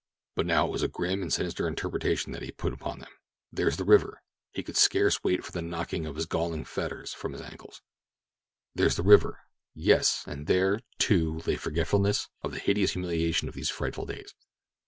But now it was a grim and sinister interpretation that he put upon them. "There's the river!" He could scarce wait for the knocking of his galling fetters from his ankle. "There's the river!" Yes, and there, too, lay forgetfulness of the hideous humiliation of these frightful days.